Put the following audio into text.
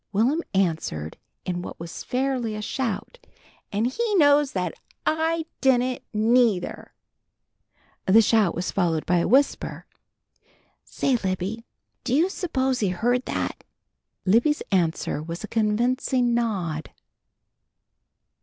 William answered in what was fairly a shout, "An' he knows that I didn't, neether!" The shout was followed by a whisper: "Say, Libby, do you s'pose he heard that?" Libby's answer was a convincing nod.